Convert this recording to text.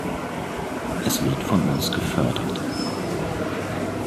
Es wird von uns gefördert.